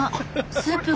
スープが。